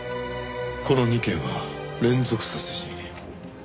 この２件は連続殺人？